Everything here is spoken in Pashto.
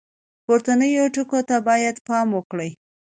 پورتنیو ټکو ته باید پام وکړو.